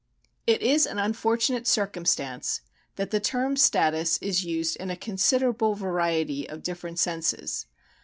It is an unfortunate circumstance that the term status is used in a considerable variety of different senses.